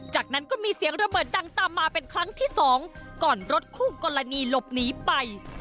จากนั้นก็มีเสียงระเบิดดังตามมาเป็นครั้งที่สองก่อนรถคู่กรณีหลบหนีไป